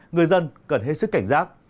người dân cần hết sức cảnh giác